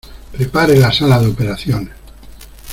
¡ Prepare la sala de operaciones!